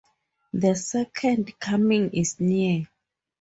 The Second Coming is Near.